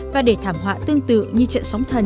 và để thảm họa tương tự như trận sóng thần